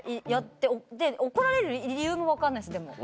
で怒られる理由も分かんないんですでも。